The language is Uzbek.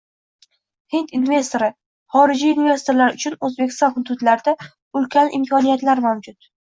Hind investori: Xorijiy investorlar uchun O‘zbekiston hududlarida ulkan imkoniyatlar mavjud